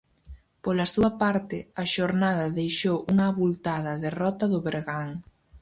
Pola súa parte, a xornada deixou unha avultada derrota do Bergan.